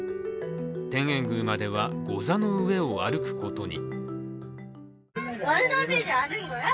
天苑宮までは、ござの上を歩くことに。